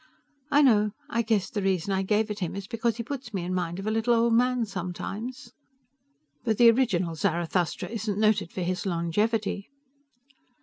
"I know. I guess the reason I gave it to him is because he puts me in mind of a little old man sometimes." "But the original Zarathustra isn't noted for his longevity."